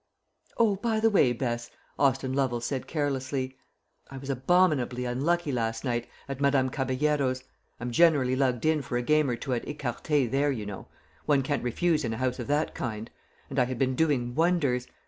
"O, by the way, Bess," Austin Lovel said carelessly, "I was abominably unlucky last night, at Madame Caballero's. I'm generally lugged in for a game or two at écarté there, you know. One can't refuse in a house of that kind. And I had been doing wonders.